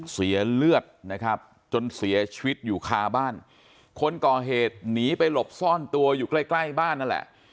เสียเลือดนะครับจนเสียชีวิตอยู่คาบ้านคนก่อเหตุหนีไปหลบซ่อนตัวอยู่ใกล้ใกล้บ้านนั่นแหละ